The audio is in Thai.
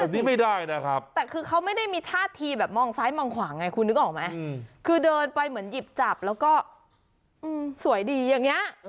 นี้ไม่ได้นะครับแต่คือเขาไม่ได้มีท่าทีแบบมองซ้ายมองขวาไงคุณนึกออกไหมคือเดินไปเหมือนหยิบจับแล้วก็สวยดีอย่างนี้